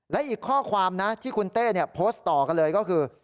และอีกข้อความนะที่คุณเต้โพสต์ต่อกันเลยก็คือ